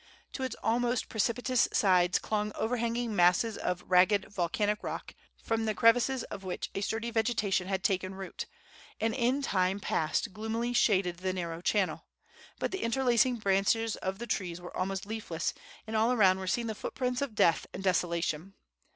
To its almost precipitous sides clung overhanging masses of ragged volcanic rock, from the crevices of which a sturdy vegetation had taken root, and in time past gloomily shaded the narrow channel; but the interlacing branches of the trees were almost leafless, and all around were seen the footprints of death and desolation.